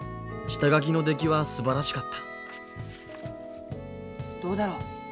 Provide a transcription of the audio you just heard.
下書きの出来はすばらしかったどうだろう。